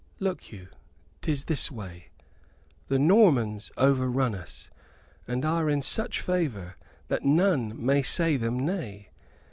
"Look you, 'tis this way. The Normans overrun us, and are in such favor that none may say them nay.